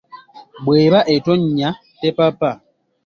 "Bw'eba en'etonnya, tepapa."